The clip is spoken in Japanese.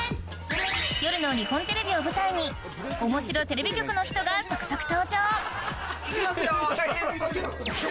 夜の日本テレビを舞台におもしろテレビ局の人が続々登場行きますよ。